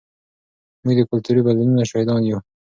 موږ د کلتوري بدلونونو شاهدان یو.